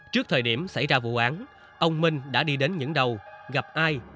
trước thời điểm xảy ra vụ án ông minh đã đi đến những đầu gặp ai